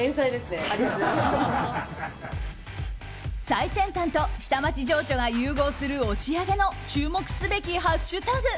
最先端と下町情緒が融合する押上の注目すべきハッシュタグ。